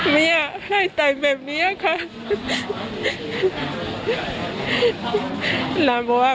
ไม่อยากให้ตายแบบนี้อะค่ะ